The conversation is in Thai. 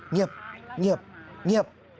เงียบ